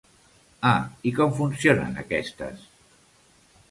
Ah i com funcionen aquestes?